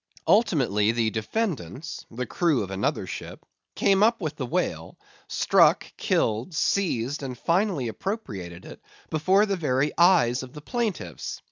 Ultimately the defendants (the crew of another ship) came up with the whale, struck, killed, seized, and finally appropriated it before the very eyes of the plaintiffs.